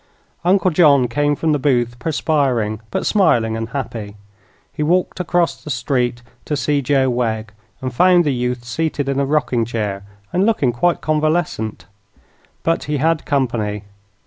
Uncle John came from the booth, perspiring, but smiling and happy. He walked across the street to see Joe Wegg, and found the youth seated in a rocking chair and looking quite convalescent. But he had company.